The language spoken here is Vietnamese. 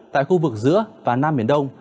tại khu vực giữa và nam biển đông